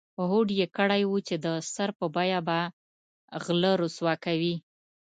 هوډ یې کړی و چې د سر په بیه به غله رسوا کوي.